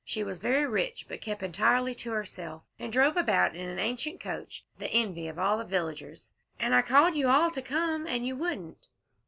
She was very rich, but kept entirely to herself, and drove about in an ancient coach, the envy of all the villagers. "And I called you all to come, and you wouldn't."